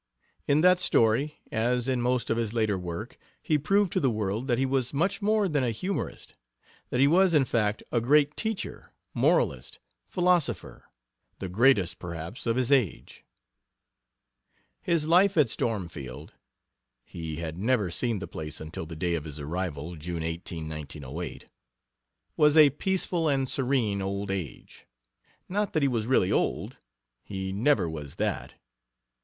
In that story, as in most of his later work, he proved to the world that he was much more than a humorist that he was, in fact, a great teacher, moralist, philosopher the greatest, perhaps, of his age. His life at Stormfield he had never seen the place until the day of his arrival, June 18, 1908 was a peaceful and serene old age. Not that he was really old; he never was that.